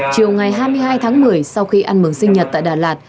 chiều ngày hai mươi hai tháng một mươi sau khi ăn mừng sinh nhật tại đà lạt